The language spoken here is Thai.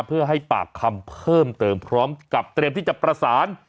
เพื่อให้ปากคำเพิ่มเติมพร้อมกับเตรียมที่จะประสาน